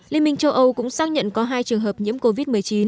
liên minh châu âu cũng xác nhận có hai trường hợp nhiễm covid một mươi chín